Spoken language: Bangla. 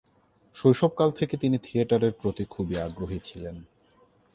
শৈশবকাল থেকে তিনি থিয়েটারের প্রতি খুবই আগ্রহী ছিলেন।